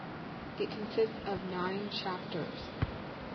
It consists of nine chapters.